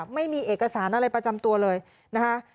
ไม่มีเอกสารอะไรประจำตัวเลยนะคะ